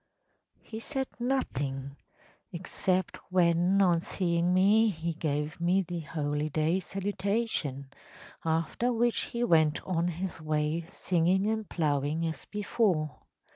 ‚ÄĚ “He said nothing‚ÄĒexcept when, on seeing me, he gave me the holy day salutation, after which he went on his way singing and ploughing as before.